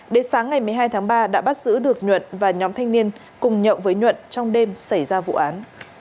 đến sáng ngày một mươi hai tháng ba đã bắt giữ được nhuộn và nhóm thanh niên cùng nhậu với nhuận trong đêm xảy ra vụ án